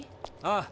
ああ。